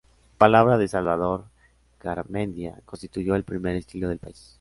En palabras de Salvador Garmendia, constituyó el primer estilo del país.